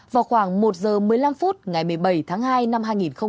vào khoảng một h một mươi năm phút ngày một mươi bảy tháng hai năm hai nghìn một mươi chín